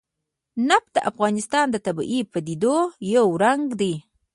نفت د افغانستان د طبیعي پدیدو یو رنګ دی.